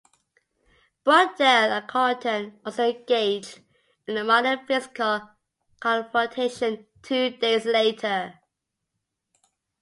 Brodelle and Carlton also engaged in a minor physical confrontation two days later.